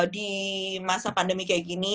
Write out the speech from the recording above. di masa pandemi kayak gini